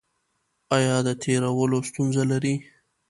ایا د تیرولو ستونزه لرئ؟